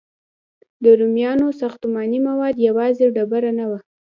د رومیانو ساختماني مواد یوازې ډبره نه وه.